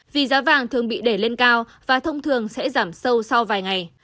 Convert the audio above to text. vì giá vàng thường bị đẩy lên cao và thông thường sẽ giảm sâu sau vài ngày